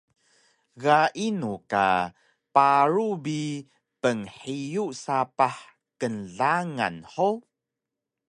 Ga inu ka paru bi pnhiyug sapah knglangan hug?